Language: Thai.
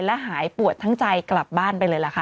และหายปวดทั้งใจกลับบ้านไปเลยล่ะค่ะ